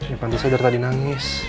ya pantas aja udah tadi nangis